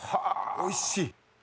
おいしい。